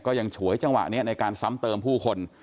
ยังฉวยจังหวะนี้ในการซ้ำเติมผู้คน